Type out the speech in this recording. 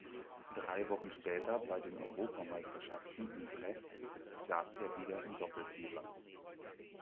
Drei Wochen später bei den Europameisterschaften in Brest saß er wieder im Doppelvierer.